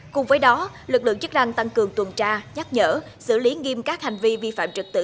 cùng với đó lực lượng chức năng tăng cường tuần tra nhắc nhở xử lý nghiêm các hành vi vi phạm trực tự